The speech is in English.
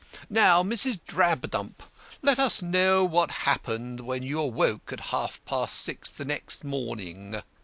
Now, Mrs. Drabdump, let us know what happened when you awoke at half past six the next morning."